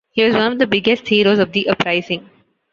He was one of the biggest heroes of the Uprising.